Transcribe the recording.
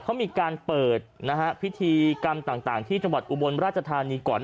เขามีการเปิดพิธีกรรมต่างที่จังหวัดอุบลราชธานีก่อน